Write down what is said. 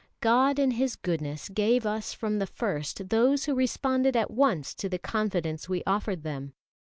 God in His goodness gave us from the first those who responded at once to the confidence we offered them.